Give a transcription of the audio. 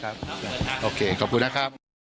ใช่ครับโอเคขอบคุณนะครับ